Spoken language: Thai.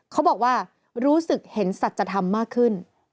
เขาบอกว่ารู้สึกเห็นสัจธรรมมากขึ้น